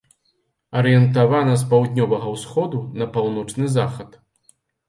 Арыентавана з паўднёвага ўсходу на паўночны захад.